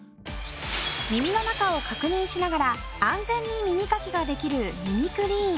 耳の中を確認しながら安全に耳かきができるＭｉＭｉｃｌｅａｎ。